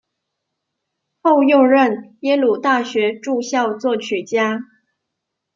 后又任耶鲁大学驻校作曲家。